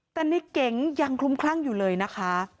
แต่ในเก๋งยังคลุมคลั่งอยู่เลยนะคะ